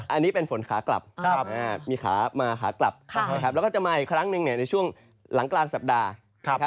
อันนี้เป็นฝนขากลับมีขากลับแล้วก็จะมาอีกครั้งหนึ่งในช่วงหลังกลางสัปดาห์